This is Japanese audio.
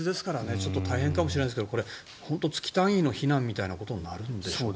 ちょっと大変かもしれないですが月単位の避難みたいなことになるんでしょうね。